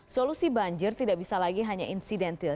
solusi banjir tidak bisa lagi hanya insidentil